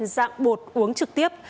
dạng bột uống trực tiếp